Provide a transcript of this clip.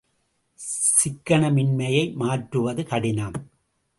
சிக்கனமின்மையை மாற்றுவது கடினம்!